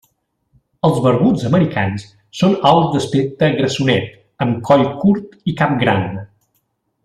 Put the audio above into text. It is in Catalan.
Els barbuts americans són aus d'aspecte grassonet, amb coll curt i cap gran.